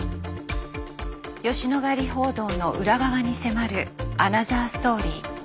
吉野ヶ里報道の裏側に迫るアナザーストーリー。